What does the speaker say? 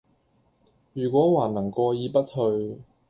如果還能過意不去，……